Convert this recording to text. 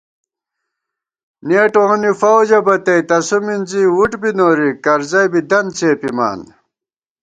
نېٹوَنی فوجہ بتیَئ تسُو مِنزی وُٹبی نوری کرزَئی بی دنت څېپِمان